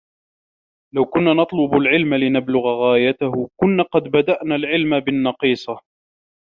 لَوْ كُنَّا نَطْلُبُ الْعِلْمَ لِنَبْلُغَ غَايَتَهُ كُنَّا قَدْ بَدَأْنَا الْعِلْمَ بِالنَّقِيصَةِ